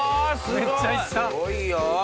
めっちゃいった！